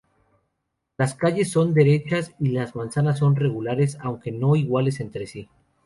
Las calles son derechas y las manzanas son regulares, aunque no iguales entre sí.